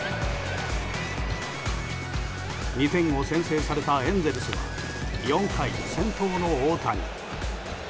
２点を先制されたエンゼルスは４回、先頭の大谷。